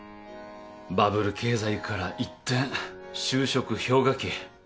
バブル経済から一転就職氷河期。